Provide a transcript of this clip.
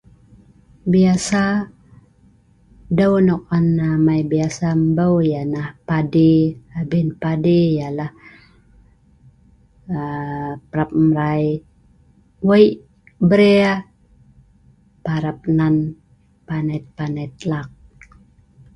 Biasa deuu nok an biasa amai mbeu yah nah padi, abin padi yah nah parab mrai wei brea parab nen panet-panet laak